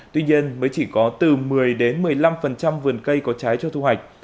tuy nhiên mới chỉ có từ một mươi một mươi năm vườn cây có trái cho thu hoạch